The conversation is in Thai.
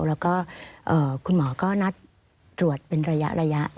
แล้วก็คุณหมอก็นัดตรวจเป็นระยะ